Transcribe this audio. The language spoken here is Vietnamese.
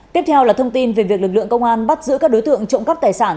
tiếp theo là thông tin về việc lực lượng công an bắt giữ các đối tượng trộm cắp tài sản